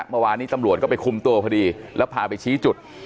เมื่อวานนี้ตำรวจก็ไปคุมตัวพอดีแล้วพาไปชี้จุด